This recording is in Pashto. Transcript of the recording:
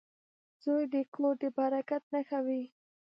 • زوی د کور د برکت نښه وي.